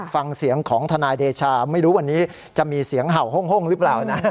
ฟังเสียงของทนายเดชาไม่รู้วันนี้จะมีเสียงเห่าห้งหรือเปล่านะ